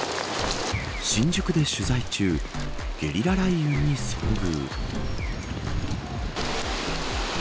新宿で取材中ゲリラ雷雨に遭遇。